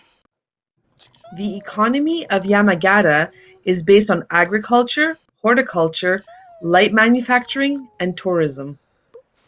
The economy of Yamagata is based on agriculture, horticulture, light manufacturing and tourism.